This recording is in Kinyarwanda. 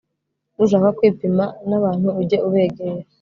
nushaka kwipima nabantu ujye ubegera